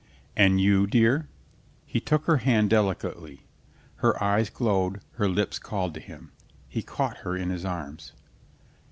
"And you, dear?" he took her hand delicately. Her eyes glowed, her lips called to him. He caught her in his arms.